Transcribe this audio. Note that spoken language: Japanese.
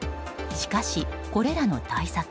しかし、これらの対策